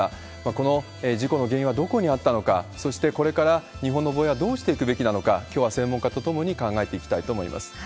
この事故の原因はどこにあったのか、そしてこれから、日本の防衛はどうしていくべきなのか、きょうは専門家と共に考えていきたいと思います。